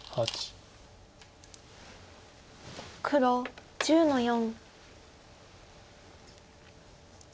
黒１０の四。